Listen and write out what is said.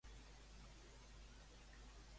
Què ha propiciat l'anomenat efecte Puigdemont?